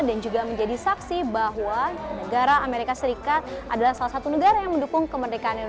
dan juga menjadi saksi bahwa negara amerika serikat adalah salah satu negara yang mendukung kemerdekaan indonesia